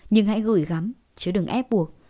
nhưng hãy gửi gắm chứ đừng ép buộc